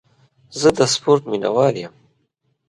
زه د سپورټ مینهوال یم.